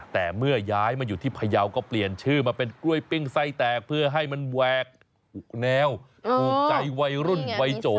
แต่เมื่อย้ายมาอยู่ที่พยาวก็เปลี่ยนชื่อมาเป็นกล้วยปิ้งไส้แตกเพื่อให้มันแหวกแนวถูกใจวัยรุ่นวัยโจ